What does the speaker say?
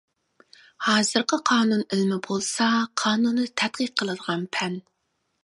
ھازىرقى قانۇن ئىلمى بولسا قانۇننى تەتقىق قىلىدىغان پەن.